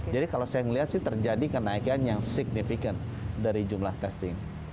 jadi kalau saya melihat sih terjadi kenaikan yang signifikan dari jumlah testing